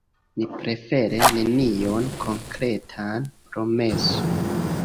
Ni prefere nenion konkretan promesu.